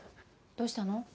どうしたの？